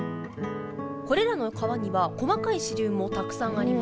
これらの川には細かい支流もたくさんあります。